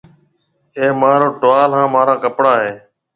اَي مهارو ٽوال هانَ مهارا ڪپڙا هيَ۔